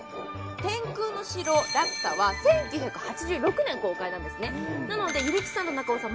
「天空の城ラピュタ」は１９８６年公開なんですねなので弓木さんと中尾さん